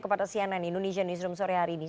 kepada cnn indonesia newsroom sore hari ini